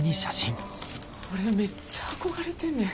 俺めっちゃ憧れてんねん。